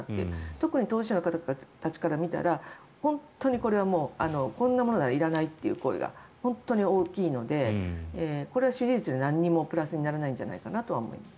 特に当事者の方たちから見たら本当にこんなものはいらないという声が本当に大きいのでこれは支持率に何もプラスにならないのではということです。